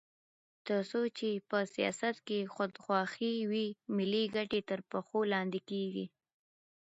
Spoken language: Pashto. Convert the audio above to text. تر څو چې په سیاست کې خودخواهي وي، ملي ګټې تر پښو لاندې کېږي.